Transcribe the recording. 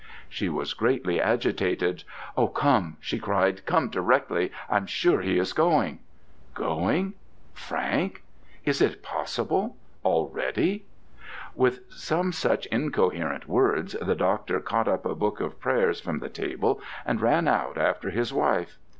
She was greatly agitated. "O come!" she cried, "come directly. I'm sure he is going." "Going? Frank? Is it possible? Already?" With some such incoherent words the doctor caught up a book of prayers from the table and ran out after his wife.